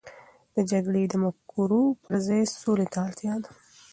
د جګړې د مفکورو پر ځای، سولې ته اړتیا ده.